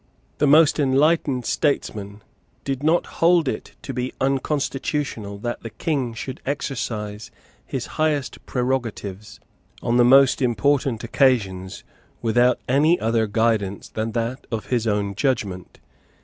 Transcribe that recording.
The most enlightened statesmen did not hold it to be unconstitutional that the King should exercise his highest prerogatives on the most important occasions without any other guidance than that of his own judgment.